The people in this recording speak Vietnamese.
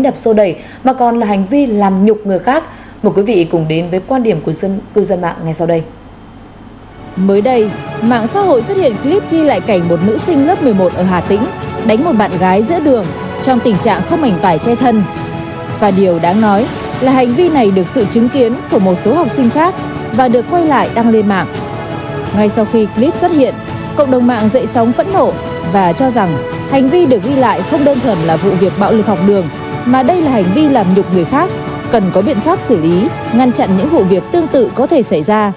mà đây là hành vi làm nhục người khác cần có biện pháp xử lý ngăn chặn những vụ việc tương tự có thể xảy ra